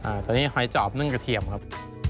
อันนี้หอยจอบนึ่งกระเทียมครับ